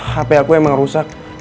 hp aku emang rusak